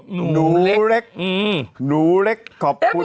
หนูเล็กขอบคุณ